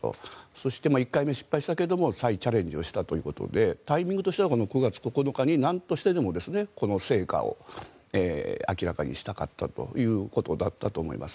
そして、１回目失敗したけれど再チャレンジをしたということでタイミングとしては９月９日になんとしてでも成果を明らかにしたかったということだったと思います。